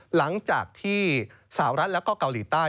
หลังจากที่สาวรัฐแล้วก็เกาหลีใต้